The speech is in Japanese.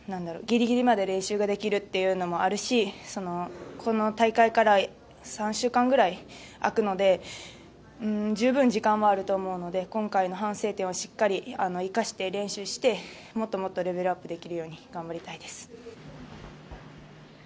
ギリギリまで練習ができるっていうのもあるしこの大会から３週間ぐらい空くので十分時間はあると思うので今回の反省点をしっかり生かして練習してもっともっとレベルアップできるように頑張りたいです。